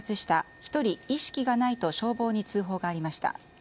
１人、意識がないと消防に通報がありました。